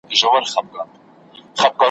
هغه زه یم چي په ټال کي پیغمبر مي زنګولی ,